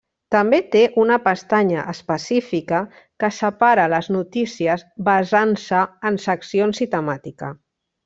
També té una pestanya específica que separa les notícies basant-se en seccions i temàtica.